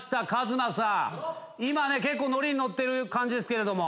今結構乗りに乗ってる感じですけれども。